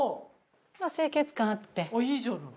あっいいじゃない。